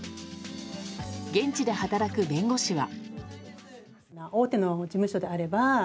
現地で働く弁護士は。